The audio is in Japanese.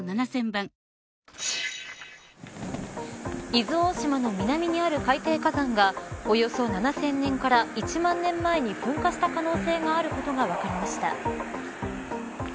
伊豆大島の南にある海底火山がおよそ７０００年から１万年前に噴火した可能性があることが分かりました。